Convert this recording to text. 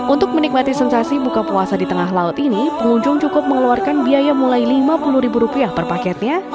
untuk menikmati sensasi buka puasa di tengah laut ini pengunjung cukup mengeluarkan biaya mulai lima puluh ribu rupiah per paketnya